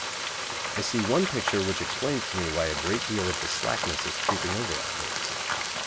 I see one picture which explains to me why a great deal of the slackness is creeping over our boys.